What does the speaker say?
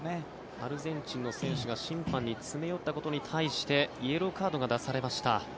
アルゼンチンの選手が審判に詰め寄ったことに対してイエローカードが出されました。